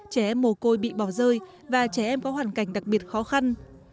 trẻ em mồ côi bị bỏ rơi và trẻ em có hoàn cảnh đặc biệt khó khăn